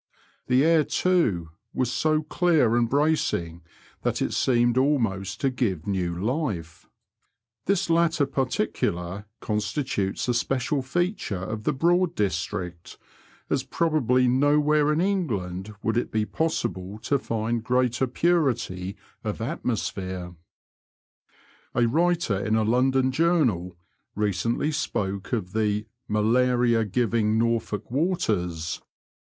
The air, too, was so clear and bracing that it seemed almost to give new life. This latter particular constitutes a special feature of the Digitized by VjOOQIC 114 BBOADS AMD BIfBBS Of NOltFOLK AMD SUFFOLK. Broad district, as probably nowhere in England would it be possible to find greater parity of atmosphere. A writer in a London journal recently spoke of the malariangiring Norfolk waters."